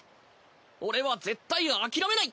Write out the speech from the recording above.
「俺は絶対諦めない！」